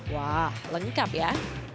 wah lengkap ya